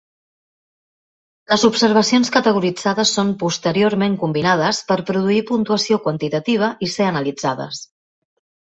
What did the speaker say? Les observacions categoritzades són posteriorment combinades per produir puntuació quantitativa i ser analitzades.